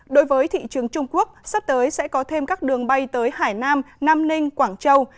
đối với thị trường trung quốc sắp tới sẽ có thêm các đường bay tới hải nam nam ninh quảng châu